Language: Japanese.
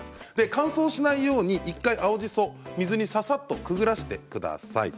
乾燥しないために１回、青じそを水にささっとくぐらせてください。